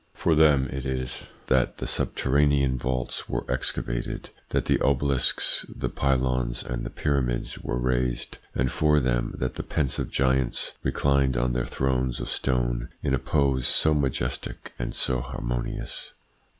For them it is that the subterranean vaults were excavated, that the obelisks, the pylones, and the pyramids were raised, and for them that the pensive giants reclined on their thrones of stone in a pose so majestic and so harmonious.